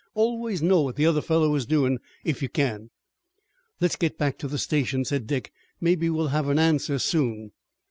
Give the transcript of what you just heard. Always know what the other fellow is doin', if you can." "Let's go back to the station," said Dick. "Maybe we'll have an answer soon."